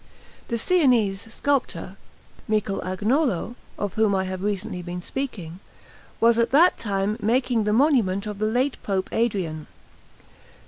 The Sienese sculptor, Michel Agnolo, of whom I have recently been speaking, was at that time making the monument of the late Pope Adrian.